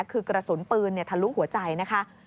คือกระสุนปืนทะลุหัวใจนะคะ